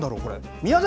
宮崎